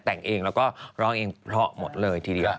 แต่งเองแล้วก็ร้องเองเพราะหมดเลยทีเดียว